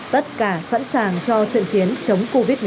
tất cả sẵn sàng cho trận chiến chống covid một mươi chín